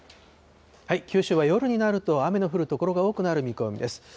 九州は夜になると雨の降る所が多くなる見込みです。